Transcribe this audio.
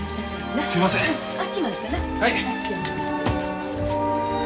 はい。